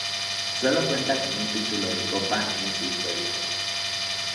Solo cuenta con un título de copa en su historia.